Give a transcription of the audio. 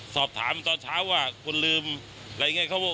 สอบถามตอนเช้าว่าคุณลืมอะไรอย่างนี้